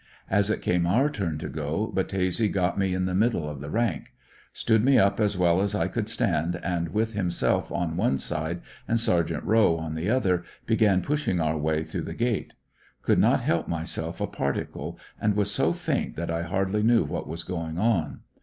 As it came our turn to go Battese got me in the middle of the rank, stood me up as well as I could stand, and with himself on one side and Sergt. Rowe on the other began pushing our way through the gate. Could not help myself a particle, and was so faint that I hardly knew what was going on.